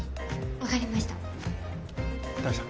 分かりました。